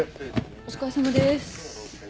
お疲れさまです。